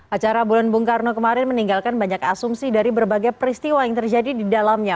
acara bulan bung karno kemarin meninggalkan banyak asumsi dari berbagai peristiwa yang terjadi di dalamnya